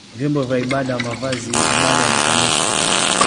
vyombo vya ibada, mavazi ya ibada na kanisa.